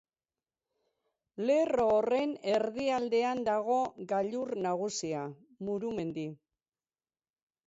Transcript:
Lerro horren erdialdean dago gailur nagusia, Murumendi.